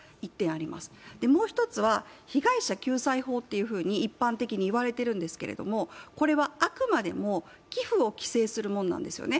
もう一つは被害者救済法と一般的にいわれているんですが、これはあくまでも寄付を規制するものなんですよね。